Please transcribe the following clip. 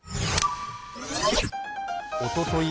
おととい